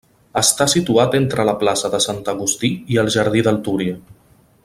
Està situat entre la plaça de Sant Agustí i el Jardí del Túria.